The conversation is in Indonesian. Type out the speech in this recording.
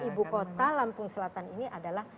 ibu kota lampung selatan ini adalah